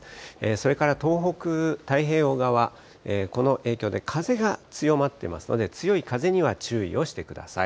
それから東北太平洋側、この影響で風が強まっていますので、強い風には注意をしてください。